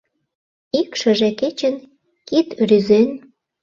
Ик шыже кечын, кид рӱзен